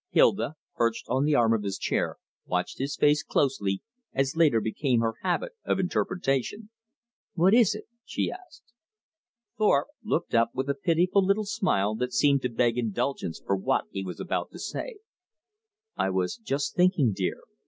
Hilda, perched on the arm of his chair, watched his face closely, as later became her habit of interpretation. "What is it?" she asked. Thorpe looked up with a pitiful little smile that seemed to beg indulgence for what he was about to say. "I was just thinking, dear.